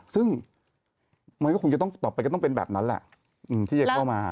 ซึ่งมันก็คงจะต้องต่อไปก็ต้องเป็นแบบนั้นแหละที่จะเข้ามา